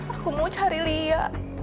aku mau cari lia